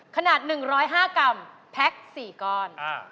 ขนาด๑๐๕กรัมแพ็ค๔ก้อน